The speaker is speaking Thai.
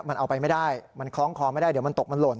มันเอาไปไม่ได้มันคล้องคอไม่ได้เดี๋ยวมันตกมันหล่น